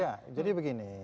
iya jadi begini